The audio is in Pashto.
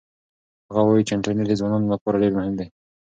هغه وایي چې انټرنيټ د ځوانانو لپاره ډېر مهم دی.